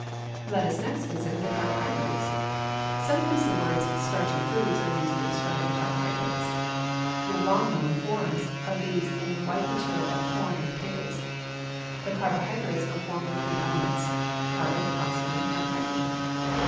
Let us next consider the carbohydrates. Sometimes the words starchy foods are used to describe the carbohydrates. You have long known forms of these in the white material of corn and of potatoes. The carbohydrates are formed of three elements carbon, oxygen, and hydrogen.